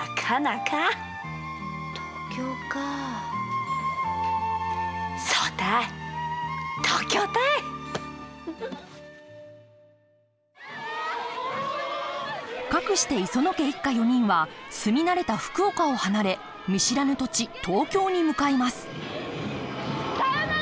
かくして磯野家一家４人は住み慣れた福岡を離れ見知らぬ土地東京に向かいますさようなら！